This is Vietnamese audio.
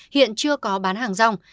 hiện chưa có bán hàng rong